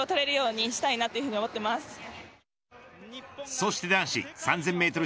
そして男子３０００メートル